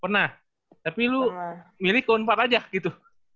pernah tapi lu milih u empat belas aja gitu